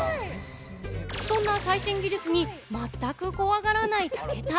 そんな最新技術にまったく怖がらない武田。